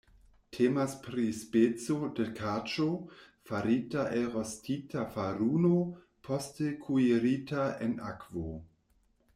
Temas pri speco de kaĉo, farita el rostita faruno, poste kuirita en akvo.